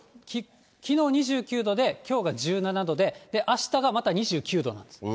きのう２９度で、きょうが１７度で、あしたがまた２９度なんです。